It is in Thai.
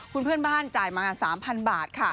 คุณเพื่อนบ้านจ่ายมา๓๐๐บาทค่ะ